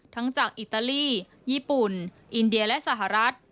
จากอิตาลีญี่ปุ่นอินเดียและสหรัฐ